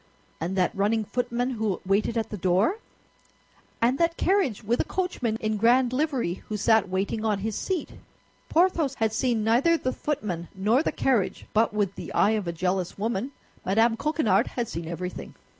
"And that running footman who waited at the door, and that carriage with a coachman in grand livery who sat waiting on his seat?" Porthos had seen neither the footman nor the carriage, but with the eye of a jealous woman, Mme. Coquenard had seen everything.